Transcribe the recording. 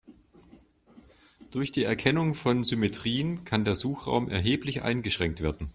Durch die Erkennung von Symmetrien kann der Suchraum erheblich eingeschränkt werden.